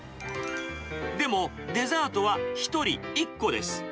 でも、デザートは１人１個です。